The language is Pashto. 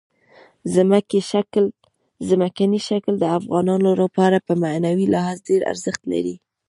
ځمکنی شکل د افغانانو لپاره په معنوي لحاظ ډېر ارزښت لري.